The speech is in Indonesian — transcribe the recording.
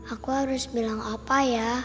aku harus bilang apa ya